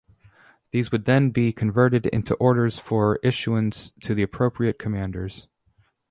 These would then be converted into orders for issuance to the appropriate commanders.